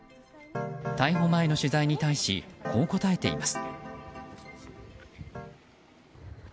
逮捕前の取材に対しこう答えています。